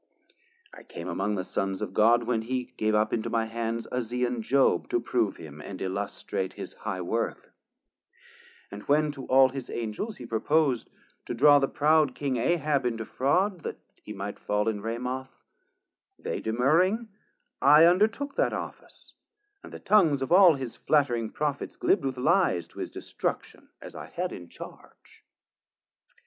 I came among the Sons of God, when he Gave up into my hands Uzzean Job To prove him, and illustrate his high worth; 370 And when to all his Angels he propos'd To draw the proud King Ahab into fraud That he might fall in Ramoth, they demurring, I undertook that office, and the tongues Of all his flattering Prophets glibb'd with lyes To his destruction, as I had in charge.